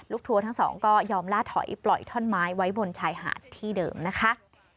ทัวร์ทั้งสองก็ยอมล่าถอยปล่อยท่อนไม้ไว้บนชายหาดที่เดิมนะคะ